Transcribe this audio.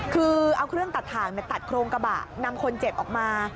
คือเอาเครื่องตัดถ่างตัดโครงกระบะนำคนเจ็บออกมา